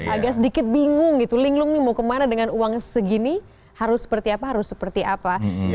agak sedikit bingung gitu linglung nih mau kemana dengan uang segini harus seperti apa harus seperti apa